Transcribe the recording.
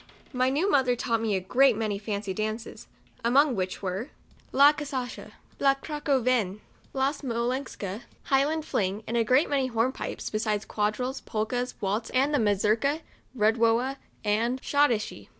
My new mother taught me a great many fancy dances, among which were " La Cachuca," " La Craccovienne," " La Smolenska," " Highland Fling," and a great many " hornpipes," besides quadrilles, polkas, waltzes, and the Mazurka, Eedowa, and Schottische.